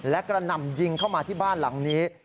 และกระหน่ำยิงเข้ามาที่บ้านหลังนี้